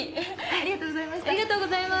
ありがとうございます。